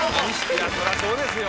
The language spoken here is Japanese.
いやそりゃそうですよ。